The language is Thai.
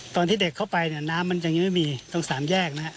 ตอนที่เด็กเข้าไปเนี่ยน้ำมันยังไม่มีตรงสามแยกนะฮะ